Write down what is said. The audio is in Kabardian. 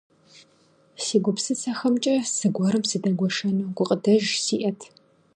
Си гупсысэхэмкӀэ зыгуэрым сыдэгуэшэну гукъыдэж сиӀэт.